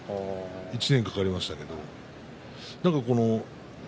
１年かかりましたけれども。